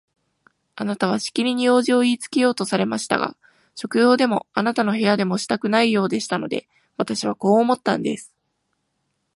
あなたはしきりに用事をいいつけようとされましたが、食堂でもあなたの部屋でもしたくないようでしたので、私はこう思ったんです。